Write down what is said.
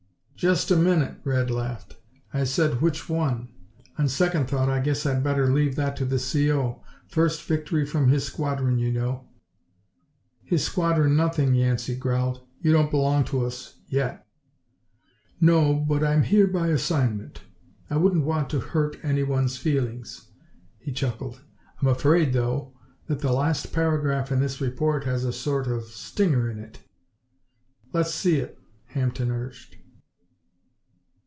"Just a minute!" Red laughed. "I said which one. On second thought I guess I'd better leave that to the C.O. First victory from his squadron, you know." "His squadron nothing!" Yancey growled. "You don't belong to us yet." "No, but I'm here by assignment; I wouldn't want to hurt anyone's feelings." He chuckled. "I'm afraid, though, that the last paragraph in this report has a sort of stinger in it." "Let's see it," Hampden urged.